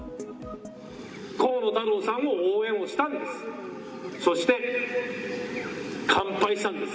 河野太郎さんを、応援をしたんです。